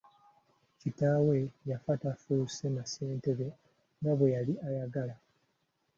Kitaawe yaffa tafuuse na ssentebe nga bwe yali ayagala.